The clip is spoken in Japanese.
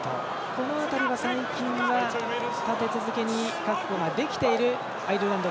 この辺りは最近は立て続けに確保ができているアイルランド。